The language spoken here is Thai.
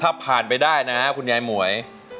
ถ้าผ่านไปได้นะคุณยายหมวย